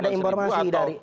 ada informasi dari